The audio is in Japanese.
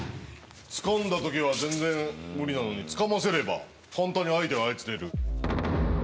つかんだ時は全然無理なのにつかませれば簡単に相手を操れる。